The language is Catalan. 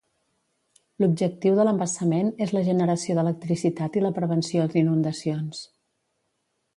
L'objectiu de l'embassament és la generació d'electricitat i la prevenció d'inundacions.